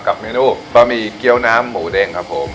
กับเมนูบะหมี่เกี้ยวน้ำหมูเด้งครับผม